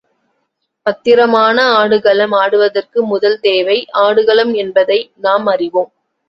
பத்திரமான ஆடுகளம் ஆடுவதற்கு முதல் தேவை ஆடுகளம் என்பதை நாம் அறிவோம்.